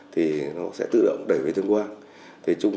thì nó sẽ tự động đẩy về tuyên quang